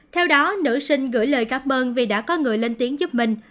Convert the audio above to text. theo đó nữ sinh gửi lời cảm ơn vì đã có người lên tiếng giúp mình